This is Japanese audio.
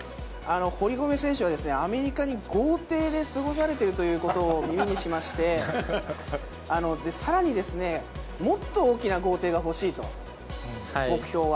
堀米選手はアメリカに豪邸で過ごされているということを耳にしまして、さらに、もっと大きな豪邸が欲しいと、目標は。